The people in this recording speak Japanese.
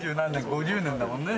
５０年だもんね。